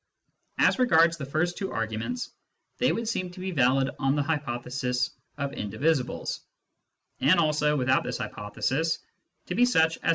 As regards the first two arguments, they would seem to be valid on the hypothesis of indi visibles, and also, without this hypothesis, to be such as * Cf.